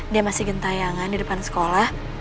dia masih gentayangan di depan sekolah